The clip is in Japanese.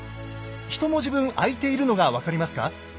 ひと文字分空いているのが分かりますか？